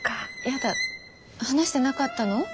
やだ話してなかったの？